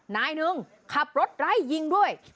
นายหนึ่งขับรถไล่ยิงด้วย